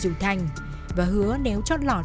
dù thành và hứa nếu trót lọt